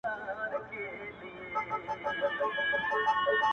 گراني شاعري ستا خوږې خبري ~